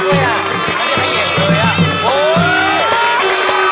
มีชื่อว่าโนราตัวอ่อนครับ